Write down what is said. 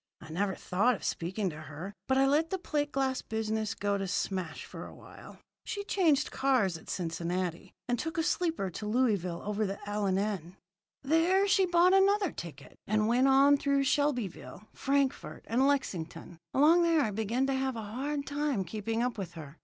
I never thought of speaking to her, but I let the plate glass business go to smash for a while. "She changed cars at Cincinnati, and took a sleeper to Louisville over the L. and N. There she bought another ticket, and went on through Shelbyville, Frankfort, and Lexington. Along there I began to have a hard time keeping up with her.